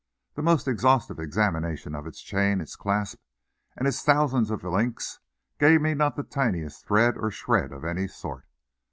The most exhaustive examination of its chain, its clasp and its thousands of links gave me not the tiniest thread or shred of any sort.